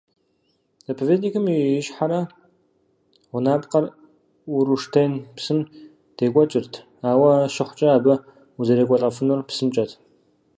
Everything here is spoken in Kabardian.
Заповедникым и ищхъэрэ гъунапкъэр Уруштен псым декӀуэкӀырт, ауэ щыхъукӀэ абы узэрекӀуэлӀэфынур псымкӀэт.